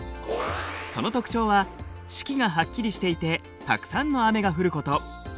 その特徴は四季がはっきりしていてたくさんの雨が降ること。